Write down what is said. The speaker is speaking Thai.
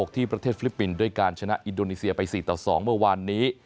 ที่ประเทศฟิลิปปินส์ด้วยการชนะอินโดนีเซียไป๔ต่อ๒เมื่อวานนี้